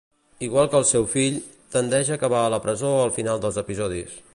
Igual que el seu fill, tendeix a acabar a la presó al final dels episodis.